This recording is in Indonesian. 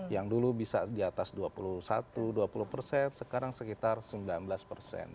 yang dulu bisa di atas dua puluh satu dua puluh persen sekarang sekitar sembilan belas persen